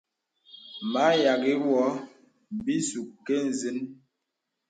Mə a yaghì wɔ bìzūkə̀ nzən.